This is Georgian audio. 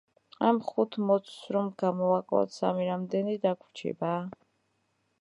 ამ ხუთ მოცვს, რომ გამოვაკლოთ სამი, რამდენი დაგვრჩება?